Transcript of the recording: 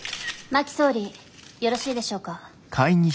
真木総理よろしいでしょうか。